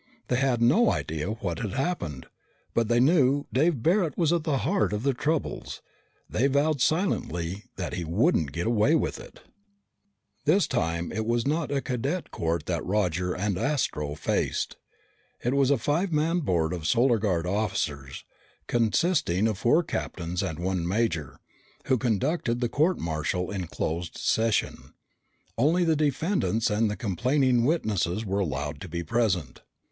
They had no idea what had happened. But they knew Dave Barret was at the heart of their troubles. They vowed silently that he wouldn't get away with it! This time it was not a cadet court that Roger and Astro faced. It was a five man board of Solar Guard officers, consisting of four captains and one major, who conducted the court martial in closed session. Only the defendants and the complaining witnesses were allowed to be present.